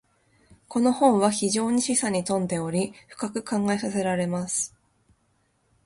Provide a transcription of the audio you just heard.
•この本は非常に示唆に富んでおり、深く考えさせられます。